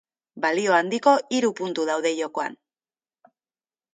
Balio handiko hiru puntu daude jokoan.